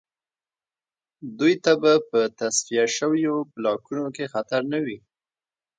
دوی ته به په تصفیه شویو بلاکونو کې خطر نه وي